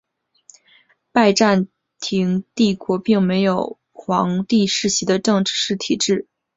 拜占庭帝国并没有皇帝世袭的正式体制。